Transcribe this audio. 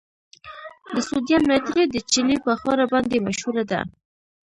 د سوډیم نایټریټ د چیلي په ښوره باندې مشهوره ده.